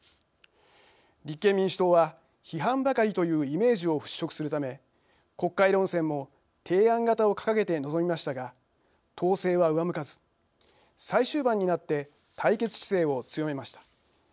立憲民主党は、批判ばかりというイメージを払しょくするため国会論戦も提案型を掲げて臨みましたが党勢は上向かず最終盤になって対決姿勢を強めました。